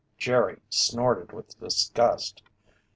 Jerry snorted with disgust.